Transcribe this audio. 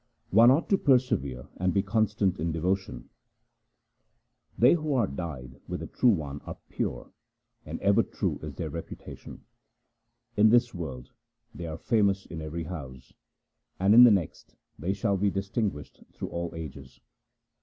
One ought to persevere and be constant in devo tion :— They who are dyed with the True One are pure, and ever true is their reputation. In this world they are famous in every house, and in the next they shall be distinguished through all ages.